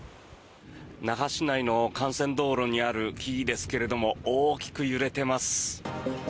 那覇市内の幹線道路にある木々ですけれども大きく揺れています。